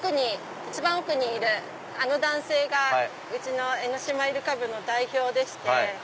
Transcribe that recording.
一番奥にいるあの男性がうちの江ノ島イルカ部の代表でして。